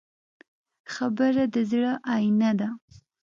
خبره د زړه آیینه ده.